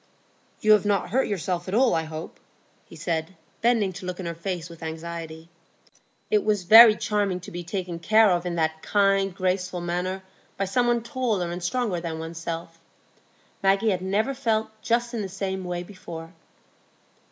"You have not hurt yourself at all, I hope?" he said, bending to look in her face with anxiety. It was very charming to be taken care of in that kind, graceful manner by some one taller and stronger than one's self. Maggie had never felt just in the same way before.